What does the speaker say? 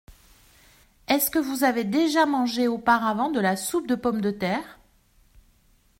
Est-ce que vous avez déjà mangé auparavant de la soupe de pommes de terre ?